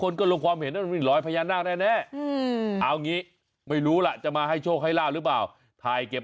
แน่เอางี้ไม่รู้ล่ะจะมาให้โชคให้ราวหรือเปล่าถ่ายเก็บ